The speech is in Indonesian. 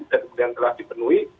dan kemudian telah dipenuhi